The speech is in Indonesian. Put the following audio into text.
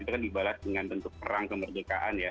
itu kan dibalas dengan bentuk perang kemerdekaan ya